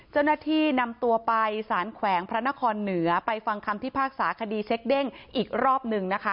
เจ้าหน้าที่นำตัวไปสารแขวงพระนครเหนือไปฟังคำพิพากษาคดีเช็คเด้งอีกรอบหนึ่งนะคะ